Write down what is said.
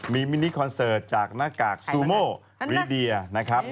มีมินิคอนเสิร์ตจากหน้ากากซูโมริเดียนะครับ